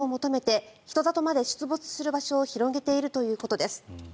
柿やブドウ、芋、栗などを求めて人里まで出没する場所を広げているということです。